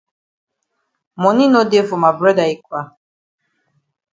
Moni no dey for ma broda yi kwa.